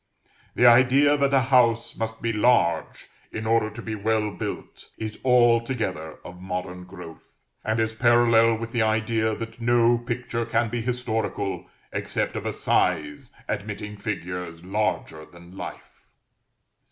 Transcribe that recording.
The idea that a house must be large in order to be well built, is altogether of modern growth, and is parallel with the idea, that no picture can be historical, except of a size admitting figures larger than life.